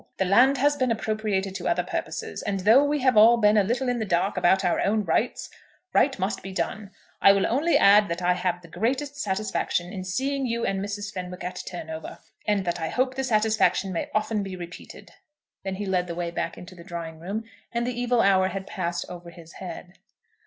The land has been appropriated to other purposes, and though we have all been a little in the dark about our own rights, right must be done. I will only add that I have the greatest satisfaction in seeing you and Mrs. Fenwick at Turnover, and that I hope the satisfaction may often be repeated." Then he led the way back into the drawing room, and the evil hour had passed over his head.